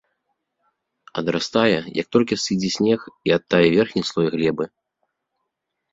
Адрастае, як толькі сыдзе снег і адтае верхні слой глебы.